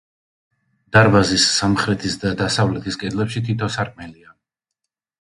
დარბაზის სამხრეთის და დასავლეთის კედლებში თითო სარკმელია.